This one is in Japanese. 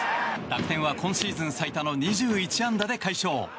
楽天は今シーズン最多の２１安打で快勝。